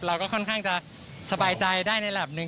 เราก็ค่อนข้างจะสบายใจได้ในระดับหนึ่ง